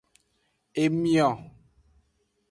Emio.